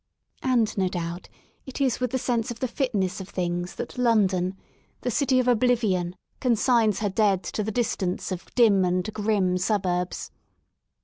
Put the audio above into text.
And, no doubt, it is with tlie sense of the fitness of things that London, the 148 REST IN LONDON city of oblivion, consigns her dead to the distance of dim and grim suburbs.